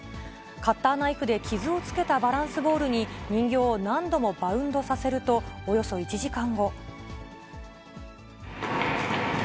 カッターナイフで傷をつけたバランスボールに、人形を何度もバウンドさせると、およそ１時間後。